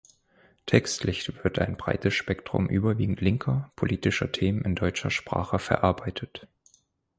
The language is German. Textlich wird ein breites Spektrum überwiegend linker, politischer Themen in deutscher Sprache verarbeitet.